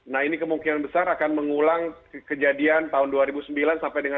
nah ini kemungkinan besar akan mengulang kejadian tahun dua ribu sembilan sampai dengan dua ribu dua puluh